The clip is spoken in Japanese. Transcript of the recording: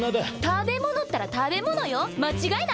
食べ物ったら食べ物よ間違いないわ！